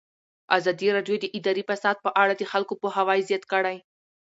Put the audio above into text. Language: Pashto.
ازادي راډیو د اداري فساد په اړه د خلکو پوهاوی زیات کړی.